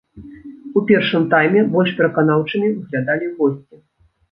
У першым тайме больш пераканаўчымі выглядалі госці.